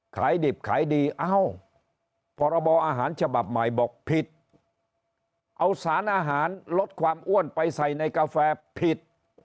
ขายดิบขายดีเอ้าพรบอาหารฉบับใหม่บอกผิดเอาสารอาหารลดความอ้วนไปใส่ในกาแฟผิด